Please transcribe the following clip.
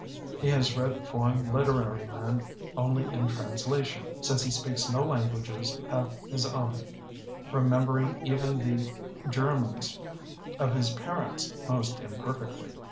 He has read foreign liter ary men only in translation, since he speaks no languages have his own, re membering even the German of his parents most imperfectly.